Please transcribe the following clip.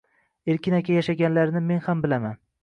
Erkin aka yashaganlarini men ham bilaman.